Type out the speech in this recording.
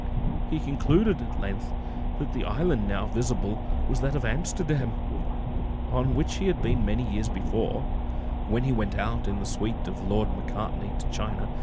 He concluded, at length, that the island now visible was that of Amsterdam on which he had been many years before, when he went out in the suite of Lord Macartney to China.